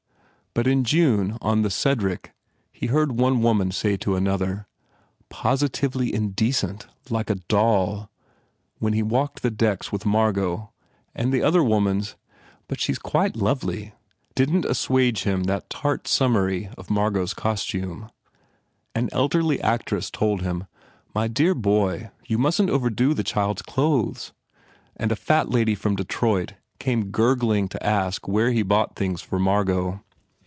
But in June on the Cedric he heard one woman say to another, "Positively in decent. Like a doll," when he walked the decks with Margot and the other woman s, "But she s quite lovely," didn t assuage that tart summary of Margot s costume. An elderly actress told him, "My dear boy, you mustn t overdo the child s clothes," and a fat lady from Detroit came gur gling to ask where he bought things for Margot.